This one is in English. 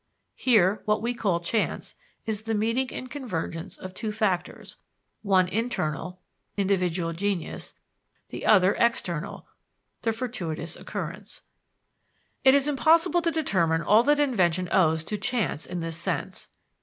Here, what we call chance, is the meeting and convergence of two factors one internal (individual genius), the other, external (the fortuitous occurrence). It is impossible to determine all that invention owes to chance in this sense.